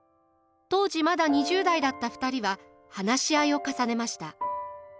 当時まだ２０代だった２人は話し合いを重ねました。